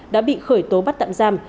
đã bị khởi tố bắt tạm giam